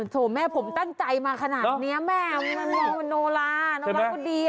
โอ้โฮแม่ผมตั้งใจมาขนาดนี้โนลาน้องรักก็ดี